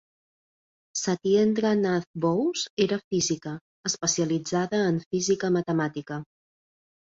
Satyendra Nath Bose era física, especialitzada en física matemàtica.